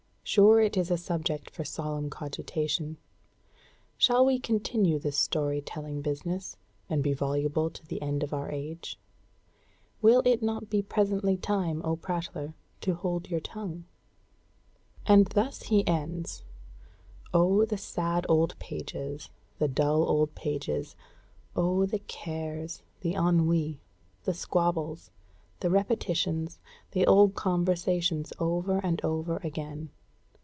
Sure it is a subject for solemn cogitation. Shall we continue this story telling business, and be voluble to the end of our age?" "Will it not be presently time, O prattler, to hold your tongue?" And thus he ends: "Oh, the sad old pages, the dull old pages; oh, the cares, the ennui, the squabbles, the repetitions, the old conversations over and over again!